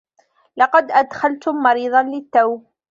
لقد أدخلتم مريضا للتّو.